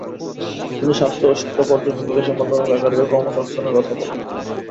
তিনি স্বাস্থ্য ও শিক্ষা পর্যটন বিকাশের মাধ্যমে বেকারদের কর্মসংস্থানের কথা বলেন।